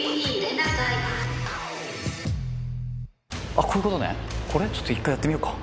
あっこういうことねこれ１回やってみようか。